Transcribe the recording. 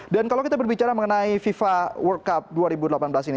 dan kalau kita berbicara mengenai fifa world cup dua ribu delapan belas ini